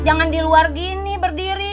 jangan di luar gini berdiri